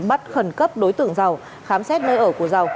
bắt khẩn cấp đối tượng giàu khám xét nơi ở của giàu